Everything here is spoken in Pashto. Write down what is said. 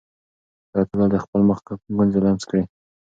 حیات الله د خپل مخ ګونځې لمس کړې.